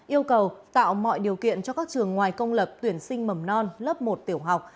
yêu cầu tạo mọi điều kiện cho các trường ngoài công lập tuyển sinh mầm non lớp một tiểu học